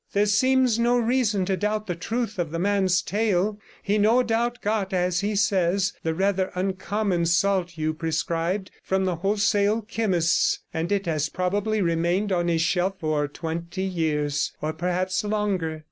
There seems no reason to doubt the truth of the man's tale; he no doubt got, as he says, the rather uncommon salt you 121 prescribed from the wholesale chemist's, and it has probably remained on his shelf for twenty years, or perhaps longer.